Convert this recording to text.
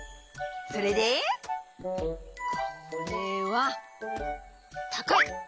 それでこれはたかい！